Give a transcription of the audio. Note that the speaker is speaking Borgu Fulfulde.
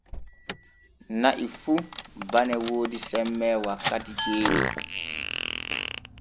Na'i fu bane woodi semme wakkati ceeɗu.